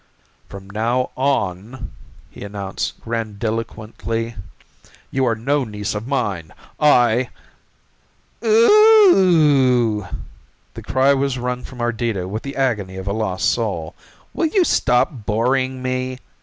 "From now on," he announced grandiloquently, "you are no niece of mine. I " "O o o oh!" The cry was wrung from Ardita with the agony of a lost soul. "Will you stop boring me!